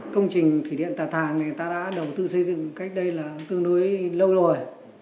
công trình thủy điện tà thàng người ta đã đầu tư xây dựng cách đây là tương đối lâu rồi